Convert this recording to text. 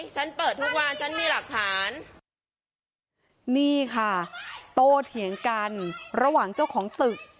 ฉันเปิดทุกวันฉันมีหลักฐานนี่ค่ะโตเถียงกันระหว่างเจ้าของตึก